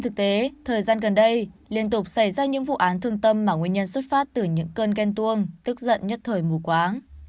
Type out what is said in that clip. thực tế thời gian gần đây liên tục xảy ra những vụ án thương tâm mà nguyên nhân xuất phát từ những cơn ghen tuông tức giận nhất thời mù quáng